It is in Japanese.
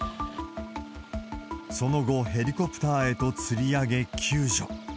その後、ヘリコプターへとつり上げ、救助。